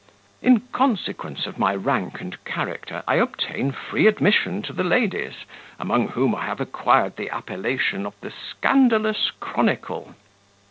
"In consequence of my rank and character, I obtain free admission to the ladies, among whom I have acquired the appellation of the Scandalous Chronicle.